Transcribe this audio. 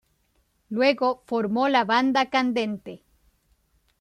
Luego formó la banda Candente.